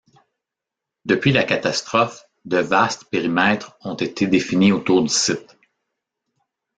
Depuis la catastrophe, de vastes périmètres ont été définis autour du site.